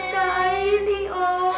kak aini om